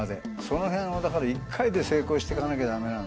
その辺をだから１回で成功していかなきゃ駄目なんで。